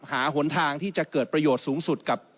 หนทางที่จะเกิดประโยชน์สูงสุดกับ